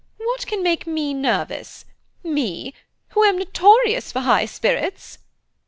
What can make me nervous? me, who am notorious for high spirits!"